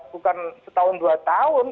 bukan setahun dua tahun